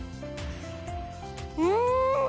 うん！